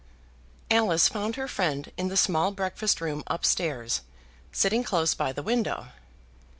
Alice found her friend in the small breakfast room up stairs, sitting close by the window.